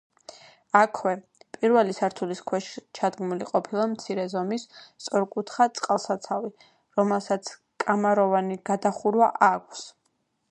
აქვე, პირველი სართულის ქვეშ ჩადგმული ყოფილა მცირე ზომის სწორკუთხა წყალსაცავი, რომელსაც კამაროვანი გადახურვა აქვს.